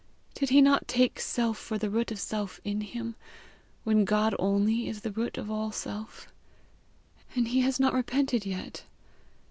Did he not take self for the root of self in him, when God only is the root of all self? And he has not repented yet!